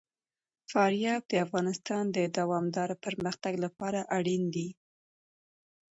فاریاب د افغانستان د دوامداره پرمختګ لپاره اړین دي.